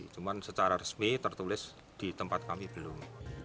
cuma secara resmi tertulis di tempat kami belum